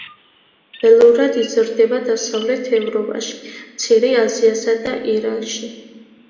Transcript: ველურად იზრდება დასავლეთ ევროპაში, მცირე აზიასა და ირანში.